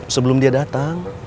sebelum dia datang